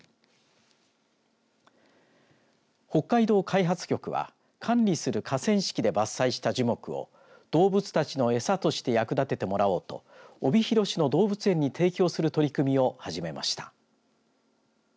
北海道開発局は管理する河川敷で伐採した樹木を動物たちのえさとして役立ててもらおうと帯広市の動物園に提供する取り組みを始めました。